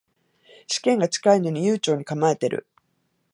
試験が近いのに悠長に構えてる